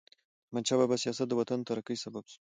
د احمدشاه بابا سیاست د وطن د ترقۍ سبب سو.